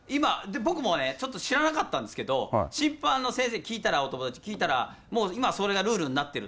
僕もね、知らなかったんですけど、先生に聞いたら、お友達に聞いたら、もう今、それがルールになってる。